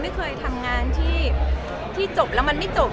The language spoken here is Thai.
ไม่เคยทำงานที่จบแล้วมันไม่จบ